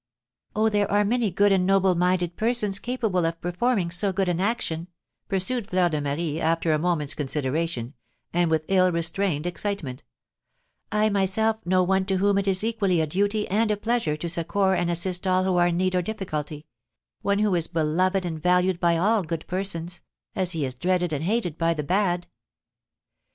"Oh, there are many good and noble minded persons capable of performing so good an action," pursued Fleur de Marie, after a moment's consideration, and with ill restrained excitement; "I myself know one to whom it is equally a duty and a pleasure to succour and assist all who are in need or difficulty, one who is beloved and valued by all good persons, as he is dreaded and hated by the bad."